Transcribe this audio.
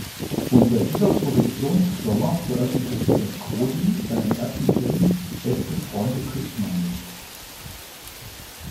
Unter dieser Produktionsfirma veröffentlichte Kohli seinen ersten Film "Beste Freunde küsst man nicht!